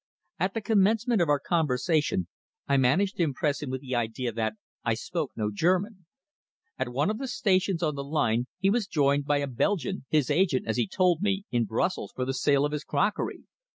At the commencement of our conversation, I managed to impress him with the idea that I spoke no German. At one of the stations on the line he was joined by a Belgian, his agent, as he told me, in Brussels for the sale of his crockery.